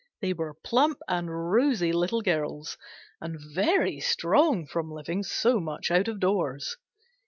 They were plump and rosy Little Girls, and very strong from living so much out of doors.